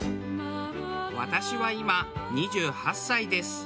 私は今２８歳です。